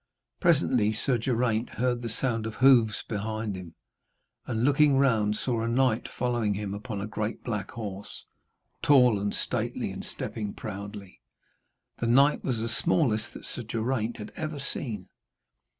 Presently Sir Geraint heard the sound of hoofs behind him, and looking round he saw a knight following him upon a great black horse, tall and stately and stepping proudly. The knight was the smallest that Sir Geraint had ever seen.